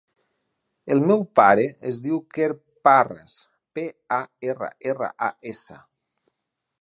El meu pare es diu Quer Parras: pe, a, erra, erra, a, essa.